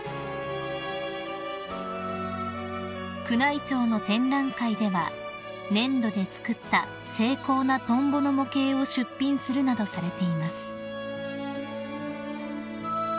［宮内庁の展覧会では粘土で作った精巧なトンボの模型を出品するなどされています］